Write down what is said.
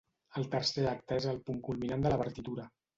El tercer acte és el punt culminant de la partitura.